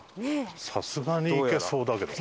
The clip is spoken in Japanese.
さすがにいけそうだけどな。